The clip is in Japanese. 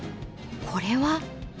これは。